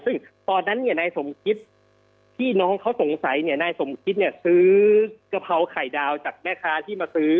ซึ่งตอนนั้นเนี่ยนายสมคิดที่น้องเขาสงสัยเนี่ยนายสมคิดเนี่ยซื้อกะเพราไข่ดาวจากแม่ค้าที่มาซื้อ